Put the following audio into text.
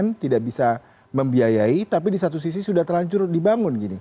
atau bumn tidak bisa membiayai tapi di satu sisi sudah terlanjur dibangun